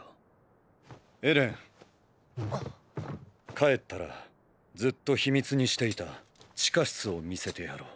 帰ったらずっと秘密にしていた地下室を見せてやろう。